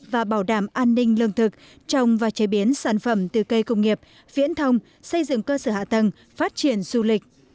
và bảo đảm an ninh lương thực trồng và chế biến sản phẩm từ cây công nghiệp viễn thông xây dựng cơ sở hạ tầng phát triển du lịch